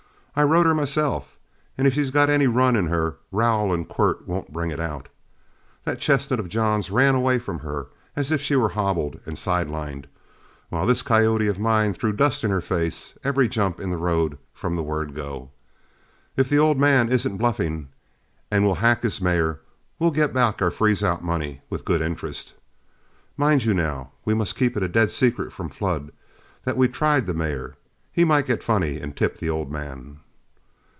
I rode her myself, and if she's got any run in her, rowel and quirt won't bring it out. That chestnut of John's ran away from her as if she was hobbled and side lined, while this coyote of mine threw dust in her face every jump in the road from the word 'go.' If the old man isn't bluffing and will hack his mare, we'll get back our freeze out money with good interest. Mind you, now, we must keep it a dead secret from Flood that we've tried the mare; he might get funny and tip the old man."